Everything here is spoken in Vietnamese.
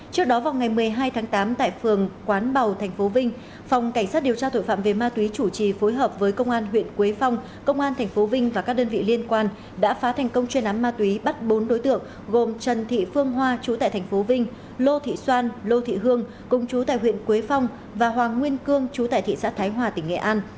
trước đó vào ngày một mươi hai tháng tám tại phường quán bầu tp vinh phòng cảnh sát điều tra tội phạm về ma túy chủ trì phối hợp với công an huyện quế phong công an tp vinh và các đơn vị liên quan đã phá thành công chuyên ám ma túy bắt bốn đối tượng gồm trần thị phương hoa chú tại tp vinh lô thị xoan lô thị hương công chú tại huyện quế phong và hoàng nguyên cương chú tại thị xã thái hòa tỉnh nghệ an